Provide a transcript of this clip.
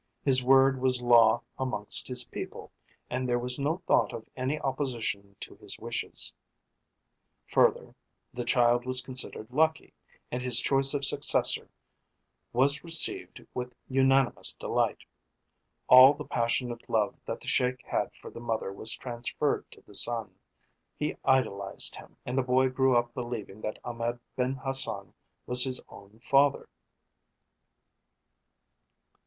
His word was law amongst his people, and there was no thought of any opposition to his wishes; further, the child was considered lucky, and his choice of successor was received with unanimous delight. All the passionate love that the Sheik had for the mother was transferred to the son. He idolised him, and the boy grew up believing that Ahmed Ben Hassan was his own father.